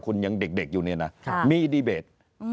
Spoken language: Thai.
คุณยังเด็กอยู่เนี่ยนะมีดีเบต